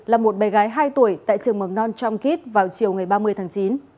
là một bè gái hai tuổi tại trường mầm non trump kids vào chiều ngày ba mươi tháng chín